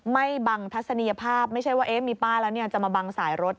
ไม่บังทัศนียภาพไม่ใช่ว่ามีป้าแล้วจะมาบังสายรถ